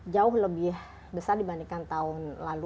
jauh lebih besar dibandingkan tahun lalu